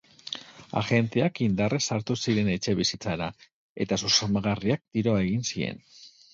Agenteak inadrrez sartu ziren etxebizitzara, eta susmagarriak tiro egin zien.